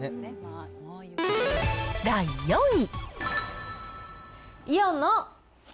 第４位。